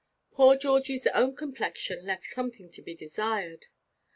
Poor Georgie's own complexion left something to be desired.